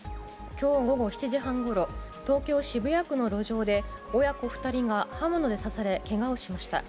きょう午後７時半ごろ、東京・渋谷区の路上で、親子２人が刃物で刺され、けがをしました。